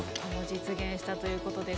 実現したということです。